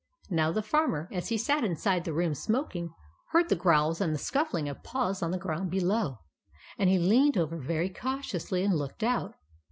Now the Farmer, as he sat inside the room smoking, heard the growls and the scuffling of paws on the ground below; and he leaned over very cautiously and looked out.